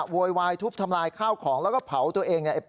โวยวายทุบทำลายข้าวของแล้วก็เผาตัวเองเนี่ย